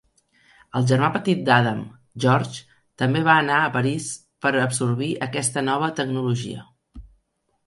El germà petit d'Adam, George, també va anar a París per absorbir aquesta nova tecnologia.